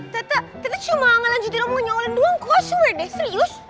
tete tete cuma ngelanjutin omongnya omongin doang gue asli deh serius